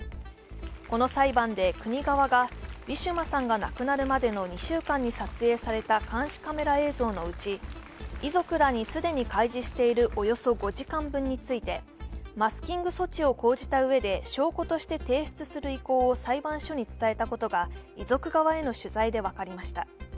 この裁判で国側がウィシュマさんが亡くなるまでの２週間に撮影された監視カメラ映像のうち、遺族らに既に開示しているおよそ５時間分についてマスキング措置を講じたうえで証拠として提出する意向を裁判所に伝えたことが遺族側への取材で分かりました。